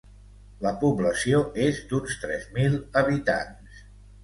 La població és d'uns tres mil habitants.